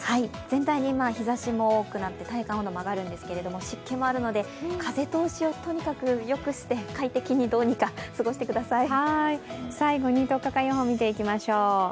全体に、日ざしも多くなって体感温度も上がるんですけど、湿気もあるので、風通しをとにかくよくして快適にどうにか過ごしてください。